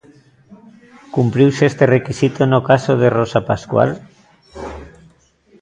Cumpriuse este requisito no caso de Rosa Pascual?